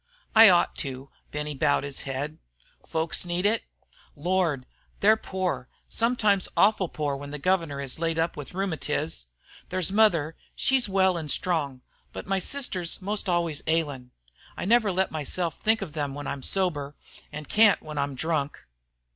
"I ought to," Benny bowed his head. "Folks need it?" "Lord! They 're poor, sometimes awful poor when the governor is laid up with rheumatiz. There's mother, she's well an' strong, but my sister's most always ailin'. I never let myself think of them when I'm sober, an' can't when I'm drunk."